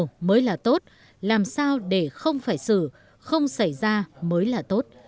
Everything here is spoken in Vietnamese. điều mới là tốt làm sao để không phải xử không xảy ra mới là tốt